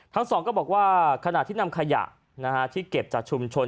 ทั้งสองก็บอกว่าขณะที่นำขยะที่เก็บจากชุมชน